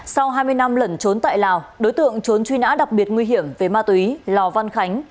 sau hai mươi năm lẩn trốn tại lào đối tượng trốn truy nã đặc biệt nguy hiểm về ma túy lò văn khánh